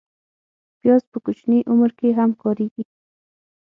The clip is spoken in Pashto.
پیاز په کوچني عمر کې هم کارېږي